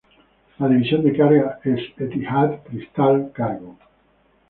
La división de cargas es Etihad Crystal Cargo.